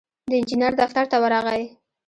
د انجينر دفتر ته ورغی.